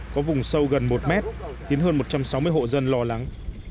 có vùng sâu gần một mét khiến hơn một trăm sáu mươi hộ dân lo lắng